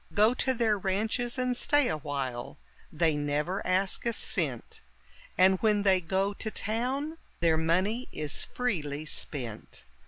Go to their ranches and stay a while, they never ask a cent; And when they go to town, their money is freely spent.